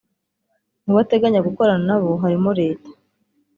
Mubo ateganya gukorana nabo harimo leta